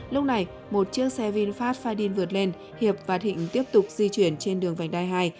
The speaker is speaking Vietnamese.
lúc này một chiếc xe vinfast fadin vượt lên hiệp và thịnh tiếp tục di chuyển trên đường vành đai hai